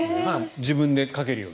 自分でかけるように。